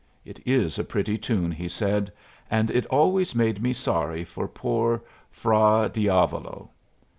"It is a pretty tune," he said, "and it always made me sorry for poor Fra Diavolo.